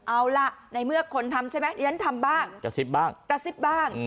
เอาล่ะในเมื่อคนทำใช่ไหมอย่างนั้นทำบ้างกระซิบบ้าง